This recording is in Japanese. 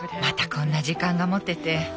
こんな時間が持てて